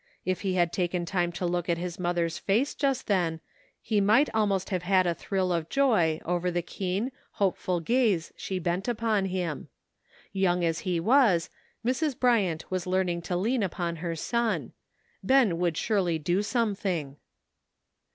If he had taken time to look at his mother's face just then he might almost have had a thrill of joy over the keen, hopeful gaze she bent upon him. Young as he was, Mrs. Bryant was learning to lean upon her son. Ben would surely do something.